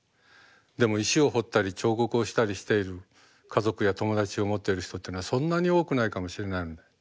でも石を彫ったり彫刻をしたりしている家族や友達を持っている人っていうのはそんなに多くないかもしれない。